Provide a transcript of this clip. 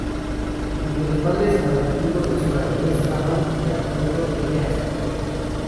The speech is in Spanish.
Aunque los padres adoptivos de Sora no estaban de acuerdo, ella aceptó.